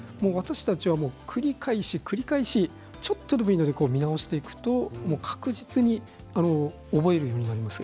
繰り返し繰り返しちょっとでもいいので見直していくと確実に覚えるようになります。